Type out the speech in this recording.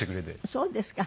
そうですか。